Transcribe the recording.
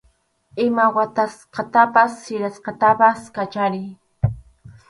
Ima watasqatapas sirasqatapas kachariy.